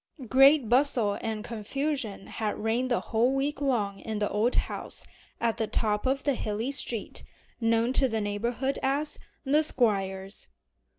A great bustle and confusion had reigned the whole week long in the old house at the top of the hilly street, known to the neighborhood as "the Squire's."